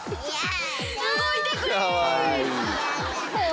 動いてくれ。